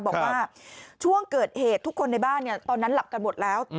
บอกว่าช่วงเกิดเหตุทุกคนในบ้านตอนนั้นหลับกันหมดแล้ว